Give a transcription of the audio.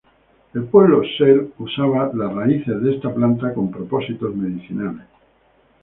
El pueblo Seri usaba las raíces de esta planta con propósitos medicinales.